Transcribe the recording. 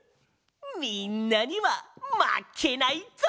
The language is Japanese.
みんなにはまけないぞ！